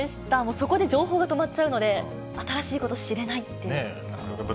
そこで情報が止まっちゃうので、新しいこと知れないっていう。